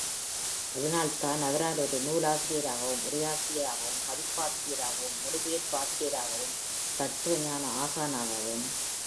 அதனால்தான் அவரால் ஒரு நூலாசிரியராகவும், உரையாசிரியராகவும், பதிப்பாசிரியராகவும், மொழிபெயர்ப்பாசிரியராகவும், தத்துவஞான ஆசானாகவும் பணியாற்றும் திறனாளராக இருக்க முடிந்தது.